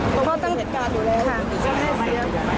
เพราะว่าต้องมีเหตุการณ์ดูแลข้างดีจะไม่เสีย